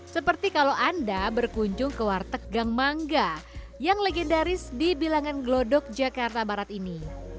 seperti kalau anda berkunjung ke warteg gang mangga yang legendaris di bilangan glodok jakarta barat ini